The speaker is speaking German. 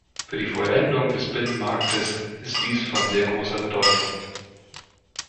Für die Vollendung des Binnenmarktes ist dies von sehr großer Bedeutung.